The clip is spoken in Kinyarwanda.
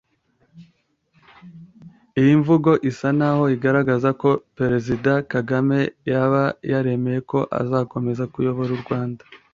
Iyi mvugo isa n’aho igaragaza ko Perezida kagame yaba yaremeye ko azakomeza kuyobora u Rwanda